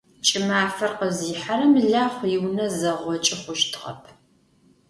КӀымафэр къызихьэрэм Лахъу иунэ зэгъокӀы хъущтыгъэп.